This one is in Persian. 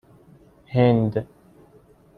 هند